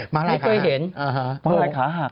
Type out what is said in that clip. มาลายขาหัก